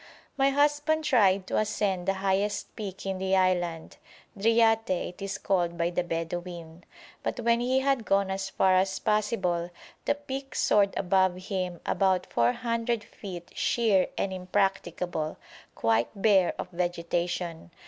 My husband tried to ascend the highest peak in the island Driate it is called by the Bedouin but when he had gone as far as possible the peak soared above him about 400 feet sheer and impracticable, quite bare of vegetation.